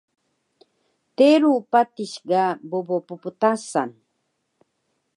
Teru patis ga bobo pptasan